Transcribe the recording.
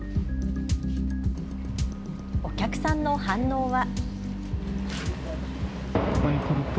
お客さんの反応は。